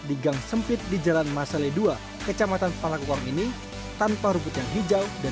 di gang sempit di jalan masale dua kecamatan palakukang ini tanpa rumput yang hijau dan